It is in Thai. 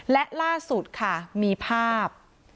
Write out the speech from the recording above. และล่าสุดค่ะมีภาพ